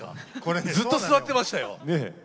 ずっと座っていましたよ。